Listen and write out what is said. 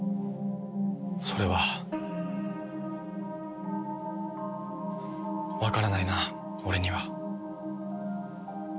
それはわからないな俺には。